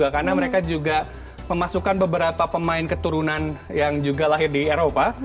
karena mereka juga memasukkan beberapa pemain keturunan yang juga lahir di eropa